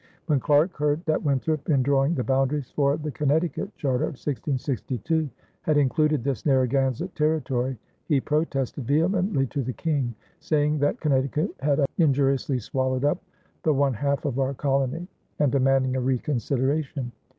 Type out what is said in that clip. When Clarke heard that Winthrop, in drawing the boundaries for the Connecticut charter of 1662, had included this Narragansett territory, he protested vehemently to the King, saying that Connecticut had "injuriously swallowed up the one half of our colonie," and demanding a reconsideration.